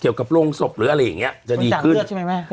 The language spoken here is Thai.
เกี่ยวกับโรงศพหรืออะไรอย่างเงี้ยจะดีขึ้นบริจักษ์เลือดใช่ไหมแม่